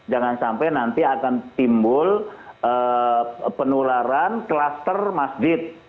jangan sampai nanti akan timbul penularan klaster masjid